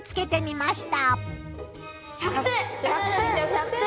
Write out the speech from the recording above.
１００点！